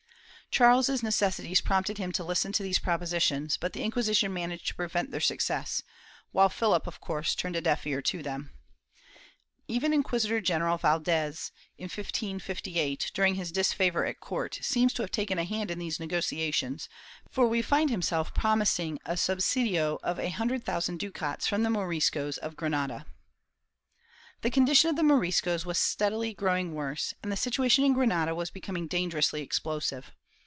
Charles's necessities prompted him to listen to these propositions, but the Inquisition managed to prevent their success, while Philip of course turned a deaf ear to them. Even Inquis itor general Valdes, in 1558, during his disfavor at court, seems to have taken a hand in these negotiations, for we find him prom ising a suhsidio of a hundred thousand ducats from the Moriscos of Granada.' The condition of the Moriscos was steadily growing worse, and the situation in Granada was becoming dangerously explosive.